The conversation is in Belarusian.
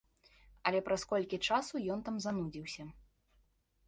Але праз колькі часу ён там занудзіўся.